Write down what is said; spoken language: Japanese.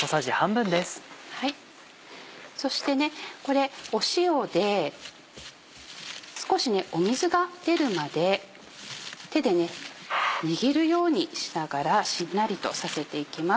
そしてこれ塩で少し水が出るまで手で握るようにしながらしんなりとさせていきます。